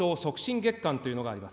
月間というのがあります。